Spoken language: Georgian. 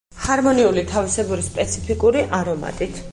ჰარმონიული, თავისებური სპეციფიკური არომატით.